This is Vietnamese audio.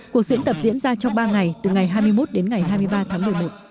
cuộc diễn tập diễn ra trong ba ngày từ ngày hai mươi một đến ngày hai mươi ba tháng một mươi một